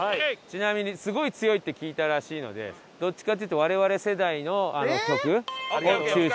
ちなみにすごい強いって聞いたらしいのでどっちかっていうと我々世代の曲を中心です。